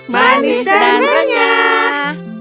manis dan renyah